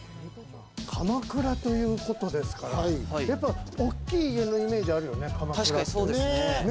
鎌倉ということですから、やっぱり大きい家のイメージあるよね。